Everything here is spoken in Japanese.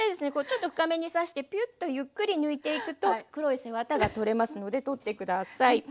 ちょっと深めに刺してピュッとゆっくり抜いていくと黒い背ワタが取れますので取って下さい。